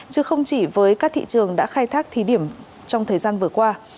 chứ không chỉ với các thị trường đã khai thác thí điểm trong thời gian vừa qua